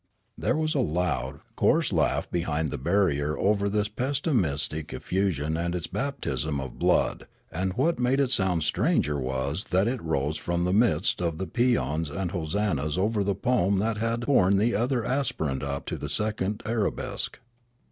There was a loud, coarse laugh behind the barrier over this pessimistic effusion and its baptism of blood, and what made it sound stranger was that it rose from the midst of paeans and hosannahs over the poem that had borne the other aspirant up to the second arabesque.